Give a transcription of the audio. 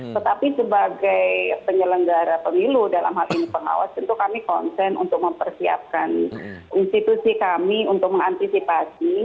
tetapi sebagai penyelenggara pemilu dalam hal ini pengawas tentu kami konsen untuk mempersiapkan institusi kami untuk mengantisipasi